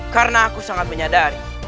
karena aku sangat menyadari